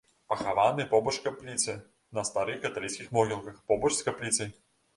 Пахаваны побач капліцы на старых каталіцкіх могілках побач з капліцай.